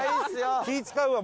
気ぃ使うわ。